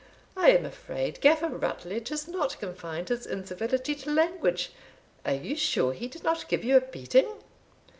I am afraid Gaffer Rutledge has not confined his incivility to language Are you sure he did not give you a beating?"